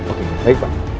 oke baik pak